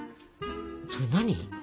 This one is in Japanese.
それ何？